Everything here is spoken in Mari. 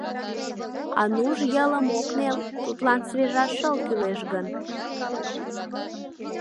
А нуж йылым ок нел, тудлан свежа шыл кӱлеш гын?